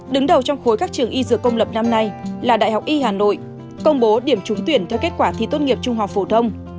đứng đầu trong khối các trường y dược công lập năm nay là đại học y hà nội công bố điểm trúng tuyển theo kết quả thi tốt nghiệp trung học phổ thông